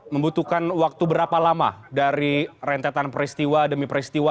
membutuhkan waktu berapa lama dari rentetan peristiwa demi peristiwa